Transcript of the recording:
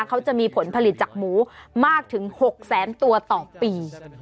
เขาจะมีผลผลิตจากหมูมากถึง๖แสนตัวต่อปี